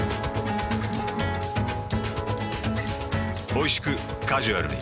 おいしくカジュアルに。